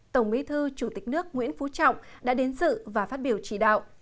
tổng bí thư chủ tịch nước nguyễn phú trọng đã đến dự và phát biểu chỉ đạo